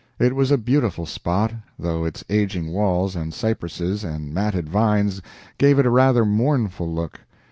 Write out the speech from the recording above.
It was a beautiful spot, though its aging walls and cypresses and matted vines gave it a rather mournful look.